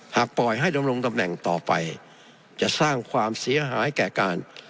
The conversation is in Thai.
หากปล่อยให้ดำรงตำแหน่งต่อไปจะสร้างความเสียหายแก่การ